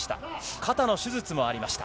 肩の手術もありました。